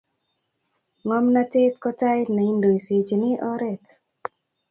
ngomnatet ko tait neindoisechini oret